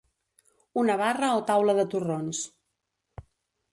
Una barra o taula de torrons.